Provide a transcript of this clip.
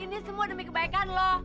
ini semua demi kebaikan loh